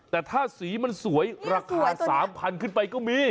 แต่ถ้าสีมันสวยราคา๓๐๐ขึ้นไปก็มี